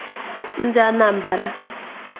Ndị Anambra